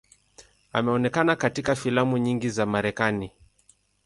Ameonekana katika filamu nyingi za Marekani.